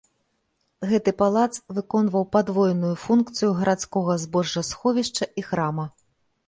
Гэты палац выконваў падвойную функцыю гарадскога збожжасховішча і храма.